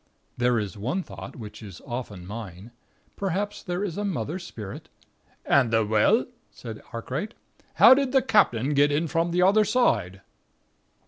There is one thought, which is often mine. Perhaps there is a Mother Spirit " "And the well?" said Arkwright. "How did the captain get in from the other side?"